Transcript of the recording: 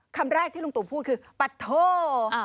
คำแรกที่ลุงตู่พูดคือปะโท